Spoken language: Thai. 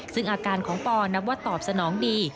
ซึ่งอาการของปอนับว่าตอบสนองดี